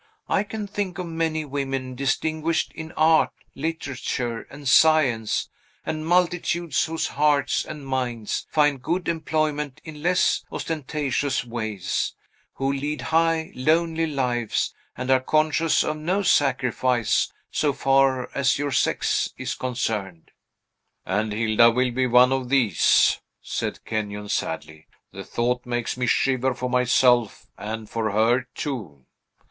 I can think of many women distinguished in art, literature, and science, and multitudes whose hearts and minds find good employment in less ostentatious ways, who lead high, lonely lives, and are conscious of no sacrifice so far as your sex is concerned." "And Hilda will be one of these!" said Kenyon sadly; "the thought makes me shiver for myself, and and for her, too."